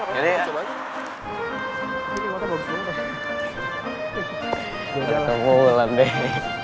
gak mau ngelan deh